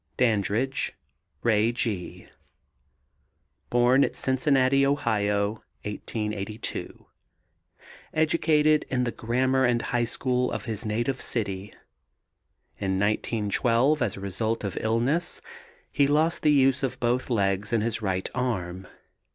DANDRIDGE, RAY G. Born at Cincinnati, Ohio, 1882. Educated in the grammar and high school of his native city. In 1912, as the result of illness, he lost the use of both legs and his right arm.